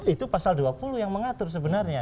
itu pasal dua puluh yang mengatur sebenarnya